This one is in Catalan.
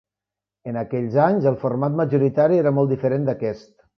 En aquells anys, el format majoritari era molt diferent d'aquest.